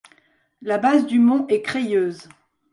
La base du mont est crayeuse.